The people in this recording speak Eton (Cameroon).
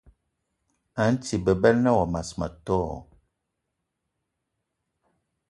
A nti bebela na wa mas ma tó?